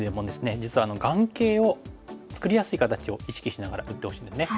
実は眼形を作りやすい形を意識しながら打ってほしいんですね。